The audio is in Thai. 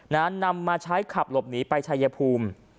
นำมาใช้ขับหลบหนีไปชายภูมิ